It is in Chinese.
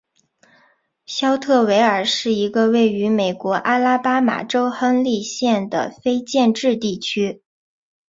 肖特维尔是一个位于美国阿拉巴马州亨利县的非建制地区。